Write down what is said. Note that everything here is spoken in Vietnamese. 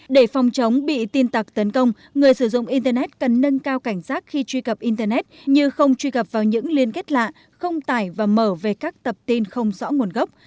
để phòng chống bị tin tặc tấn công người sử dụng internet cần nâng cao cảnh giác khi truy cập internet như không truy cập vào những liên kết lạ không tải và mở về các tập tin không rõ nguồn gốc